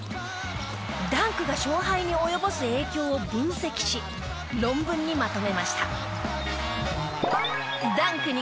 ダンクが勝敗に及ぼす影響を分析し論文にまとめました。